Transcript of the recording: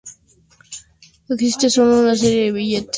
Existe solo una serie de billetes, que se denomina "Serie Armónica".